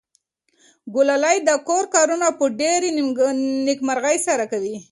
ګلالۍ د کور کارونه په ډېرې نېکمرغۍ سره کوي.